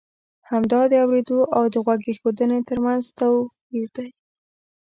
همدا د اورېدو او د غوږ اېښودنې ترمنځ توپی ر دی.